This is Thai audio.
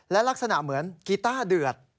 และลักษณะเหมือนกีต้าเดือด